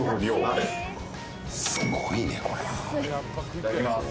いただきます。